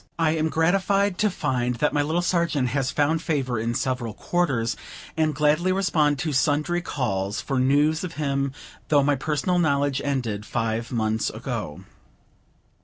I am gratified to find that my little Sergeant has found favor in several quarters, and gladly respond to sundry calls for news of him, though my personal knowledge ended five months ago.